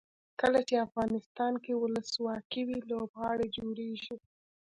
کله چې افغانستان کې ولسواکي وي لوبغالي جوړیږي.